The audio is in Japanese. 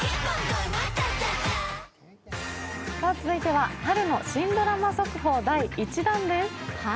続いては、春の新ドラマ速報第１弾です。